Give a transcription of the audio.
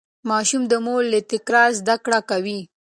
ماشوم د مور له تکرار زده کړه کوي.